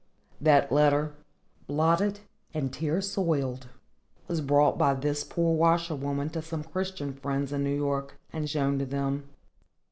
That letter, blotted and tear soiled, was brought by this poor washerwoman to some Christian friends in New York, and shown to them.